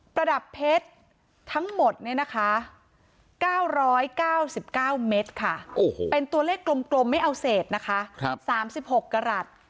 ประดับเพชรทั้งหมดนี่นะคะ๙๙๙เมตรค่ะโอ้โหเป็นตัวเลขกลมไม่เอาเศษนะคะครับ๓๖กระหลัด